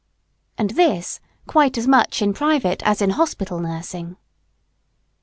And this quite as much in private as in hospital nursing.